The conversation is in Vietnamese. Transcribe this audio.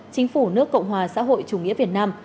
chính phủ nước cộng hòa xã hội chủ nghĩa việt nam